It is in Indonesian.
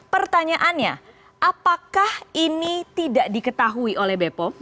pertanyaannya apakah ini tidak diketahui oleh bepom